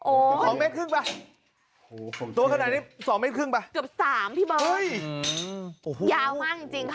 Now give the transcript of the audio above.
โอ้โฮ๒เมตรครึ่งปะ